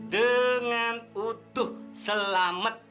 dengan utuh selamat